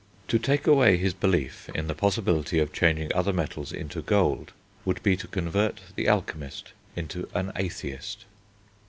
To take away his belief in the possibility of changing other metals into gold would be to convert the alchemist into an atheist.